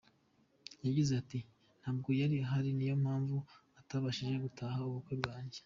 Yagize ati “Ntabwo yari ahari niyo mpamvu atabashije gutaha ubukwe bwanjye.